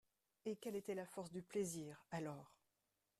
Et quelle était la force du plaisir, alors!